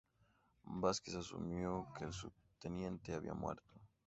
Vázquez asumió que el subteniente había muerto.